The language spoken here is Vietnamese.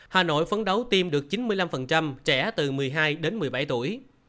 hà nội phấn đấu tiêm được chín mươi năm trẻ từ một mươi hai đến một mươi bảy tuổi